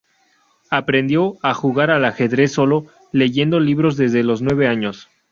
Aprendió a jugar al ajedrez solo, leyendo libros, desde los nueve años.